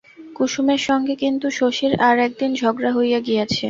কুসুমের সঙ্গে কিন্তু শশীর আর একদিন ঝগড়া ইহয়া গিয়াছে।